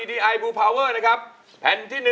คนลูกบอกว่าแผ่นที่๓